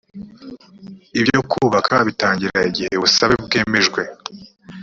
ibyo kubaka bitangira igihe ubusabe bwemejwe